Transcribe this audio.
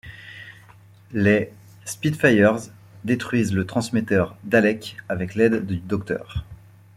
Les Spitfires détruisent le transmetteur Dalek, avec l'aide du Docteur.